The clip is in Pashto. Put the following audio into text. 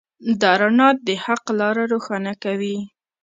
دا رڼا د حق لاره روښانه کوي.